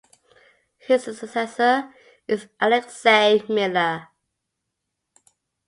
His successor is Alexey Miller.